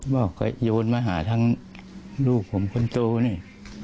บอกก็โยนมาหาทั้งลูกผมคนโตนี่